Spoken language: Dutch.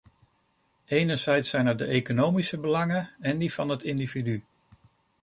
Enerzijds zijn er de economische belangen en die van het individu.